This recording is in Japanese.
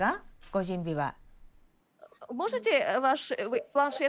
ご準備は。